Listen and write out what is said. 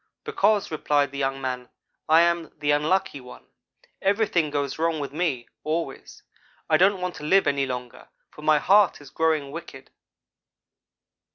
"'Because,' replied the young man, 'I am the Unlucky one. Everything goes wrong with me, always. I don't want to live any longer, for my heart is growing wicked.'